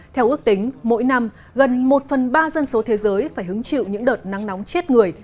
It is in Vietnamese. theo ước tính mỗi năm gần một phần ba dân số thế giới phải hứng chịu những đợt nắng nóng chết người